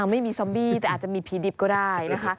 ไม่มีซอมบี้แต่อาจจะมีผีดิบก็ได้นะคะ